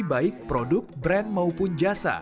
baik produk brand maupun jasa